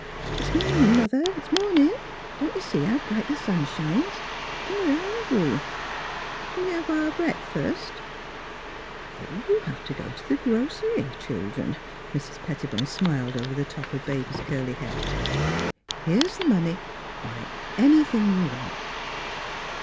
'' It's morning, mother. It's morning. Don't you see how bright the sun shines? 'N' we're hungry. Can we have our breakfast? "'' You'll have to go to the grocery, children," Mrs. Pettibone smiled over the top of Baby's curly PLAYING MOTHER 265 head. " Here's the money; buy anything you want.